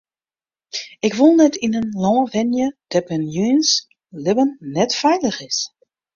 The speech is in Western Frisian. Ik wol net yn in lân wenje dêr't men jins libben net feilich is.